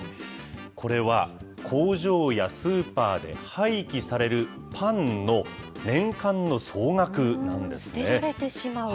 これは工場やスーパーで廃棄されるパンの年間の総額なんですね。